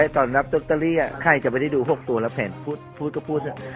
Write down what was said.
ตอนรับอ่ะใครจะไปได้ดูหกตัวแล้วแผนพูดพูดก็พูด